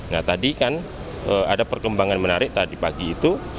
nah tadi kan ada perkembangan menarik tadi pagi itu